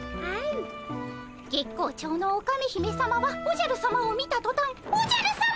月光町のオカメ姫さまはおじゃるさまを見たとたん「おじゃるさま！